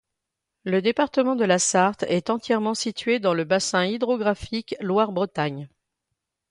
Le département de la Sarthe est entièrement situé dans le bassin hydrographique Loire-Bretagne.